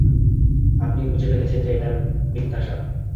আপনি বুঝে ফেলেছেন যে এটা মিথ্যা সাপ।